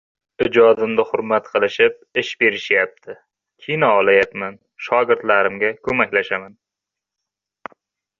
Ijodimni hurmat qilishib ish berishayapti, kino olayapman, shogirdlarimga ko‘maklashaman.